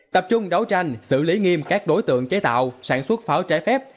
tập trung đấu tranh xử lý nghiêm các đối tượng chế tạo sản xuất pháo trái phép